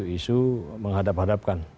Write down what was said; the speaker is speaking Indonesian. dengan isu isu menghadap hadapkan